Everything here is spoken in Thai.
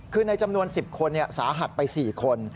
คือในจำนวน๑๐คนสาหัสไป๔คน